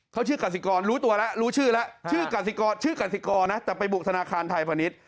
เขาชื่อกสิกรรู้ตัวแล้วรู้ชื่อแล้วชื่อกสิกรนะแต่ไปบุกธนาคารไทยพาณิชย